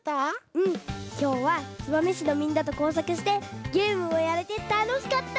うんきょうは燕市のみんなとこうさくしてゲームもやれてたのしかった！